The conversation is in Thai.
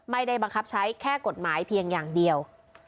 ไม่ได้บังคับใช้แค่กฎหมายเพียงอย่างเดียว